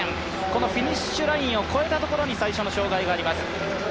このフィニッシュラインを越えたところに最初の障害があります。